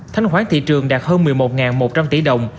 thánh khoản thị trường đạt hơn một mươi một một trăm linh tỷ đồng